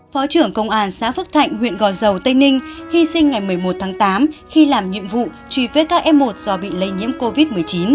phó trưởng công an xã phước thạnh huyện gò dầu tây ninh hy sinh ngày một mươi một tháng tám khi làm nhiệm vụ truy vết các em một do bị lây nhiễm covid một mươi chín